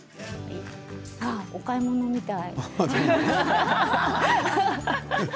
お買い物みたい。